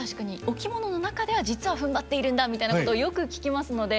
「お着物の中では実はふんばっているんだ」みたいなことをよく聞きますので。